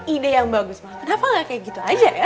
ide yang bagus mah kenapa gak kayak gitu aja ya